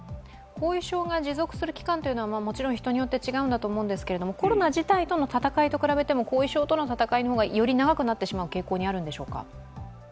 後遺症が持続する期間はもちろん人によって違うと思いますがコロナ自体との闘いと比べても後遺症との闘いの方がより長くなってしまう傾向にあるんでしょうか。